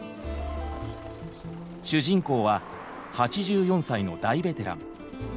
主人公は８４歳の大ベテラン。